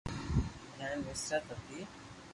۽ مسرت هئي